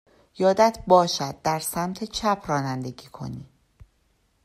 یادت باشد در سمت چپ رانندگی کنی.